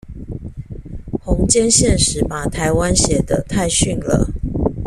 弘兼憲史把台灣寫得太遜了